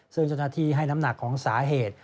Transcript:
ซึ่งเจ้าหน้าที่ให้น้ำหนักของสาเหตุ